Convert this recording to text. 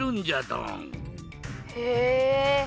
へえ！